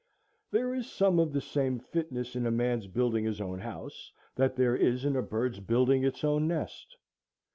There is some of the same fitness in a man's building his own house that there is in a bird's building its own nest.